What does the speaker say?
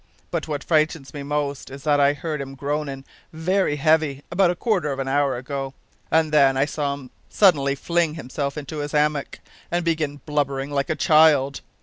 But what frightens me most is that I heard him groanin' very heavy about a quarter of an hour ago, and then I saw him suddenly fling himself into his 'ammock and begin blubberin' like a child.